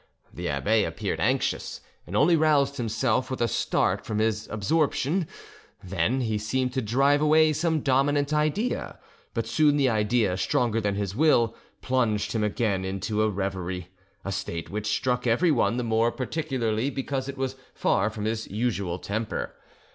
The abbe appeared anxious, and only roused himself with a start from his absorption; then he seemed to drive away some dominant idea, but soon the idea, stronger than his will, plunged him again into a reverie, a state which struck everyone the more particularly because it was far from his usual temper.